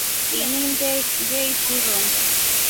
Ini ngeishi rombo.